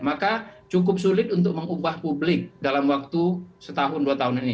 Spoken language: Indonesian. maka cukup sulit untuk mengubah publik dalam waktu setahun dua tahun ini